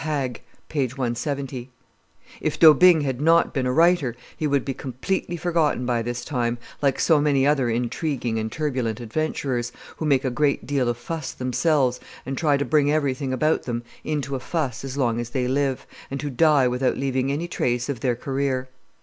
Haag, t. i. p. 170.] If D'Aubigne had not been a writer, he would be completely forgotten by this time, like so many other intriguing and turbulent adventurers, who make a great deal of fuss themselves, and try to bring everything about them into a fuss as long as they live, and who die without leaving any trace of their career.